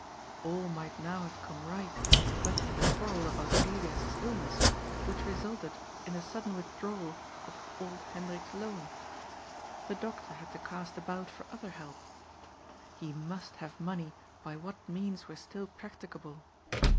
All might now have come right, but for the quarrel about Elias's ill ness, which resulted in the sudden withdrawal of old Hen drik's loan. The doctor had to cast about for other help. He must have money by what means were still practicable.